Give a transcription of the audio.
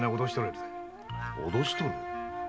脅し取る？